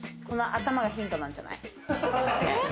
頭がヒントなんじゃない？